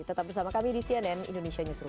tetap bersama kami di cnn indonesia newsroom